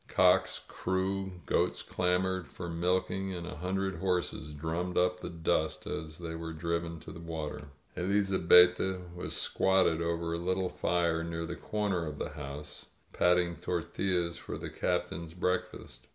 Cocks crew, goats clamored for milking, and a hundred horses drummed up the dust as they were driven to water. Elizabetta was squatted over a little fire near the corner of the house, patting tortillas for the Captain's breakfast.